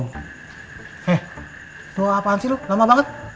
eh doa apaan sih lu lama banget